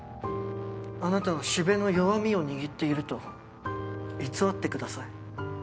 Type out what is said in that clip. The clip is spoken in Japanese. あなたは四部の弱みを握っていると偽ってください。